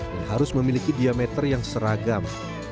yang harus memiliki diameter yang seragam